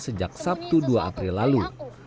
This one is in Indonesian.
sejak sabtu dua april lalu